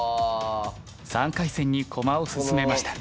３回戦に駒を進めました。